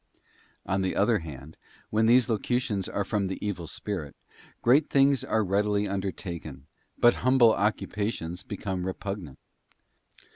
On the other hand, when these locutions are from the evil God exalts spirit, great things are readily undertaken, but humble occu 7. pations become repugnant.